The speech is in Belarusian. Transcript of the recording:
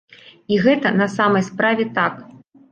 І гэта на самай справе так.